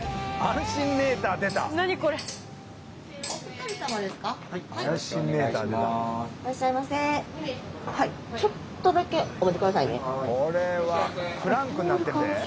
これはクランクになってんで。